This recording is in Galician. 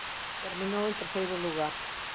Terminou en terceiro lugar.